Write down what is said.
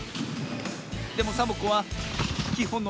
でもサボ子はきほんの